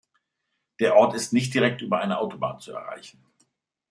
Der Ort ist nicht direkt über eine Autobahn zu erreichen.